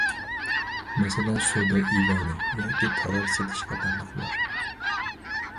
مەسىلەن، سودا ئېلانى ياكى تاۋار سېتىش قاتارلىقلار.